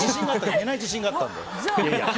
寝ない自信があったので。